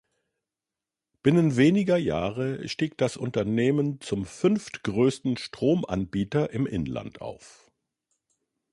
Binnen weniger Jahre stieg das Unternehmen zum fünftgrößten Stromanbieter im Inland auf.